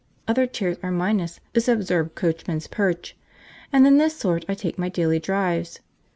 Other chairs are minus this absurd coachman's perch, and in this sort I take my daily drives.